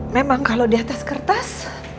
memang kalau di atas kertas